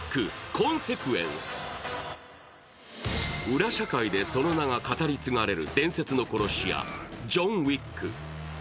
裏社会でその名が語り継がれる伝説の殺し屋、ジョン・ウィック。